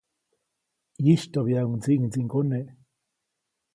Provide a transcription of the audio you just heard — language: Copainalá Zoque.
ʼYistyoʼbyaʼuŋ ndsiʼŋdsiŋgone.